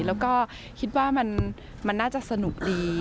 แล้วก็คิดว่ามันน่าจะสนุกดี